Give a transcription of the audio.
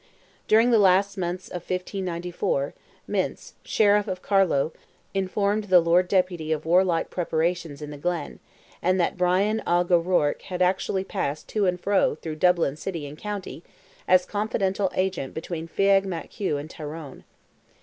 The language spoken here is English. During the last months of 1594, Mynce, Sheriff of Carlow, informed the Lord Deputy of warlike preparations in the Glen, and that Brian Oge O'Rourke had actually passed to and fro through Dublin city and county, as confidential agent between Feagh Mac Hugh and Tyrone.